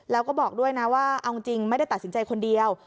แล้วก็บอกด้วยนะว่าเอาจริงไม่ได้ตัดสินใจคนเดียว